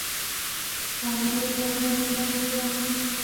خوشالۍ به درله رايشي.